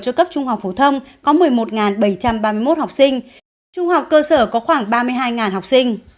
cho cấp trung học phổ thông có một mươi một bảy trăm ba mươi một học sinh trung học cơ sở có khoảng ba mươi hai học sinh